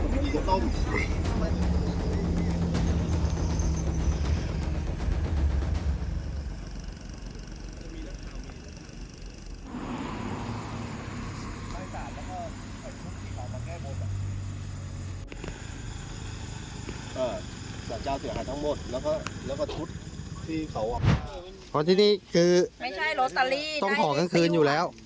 เพราะที่นี่คือไม่ใช่ต้องขอกลางคืนอยู่แล้ว